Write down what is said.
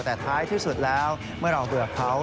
แต่ท้ายที่สุดแล้วเมื่อเราเบื่อเขา